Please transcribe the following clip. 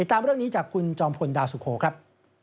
ตามเรื่องนี้จากคุณจอมพลดาวสุโขครับ